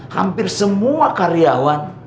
hampir semua karyawan